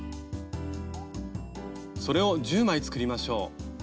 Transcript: それを１０枚作りましょう。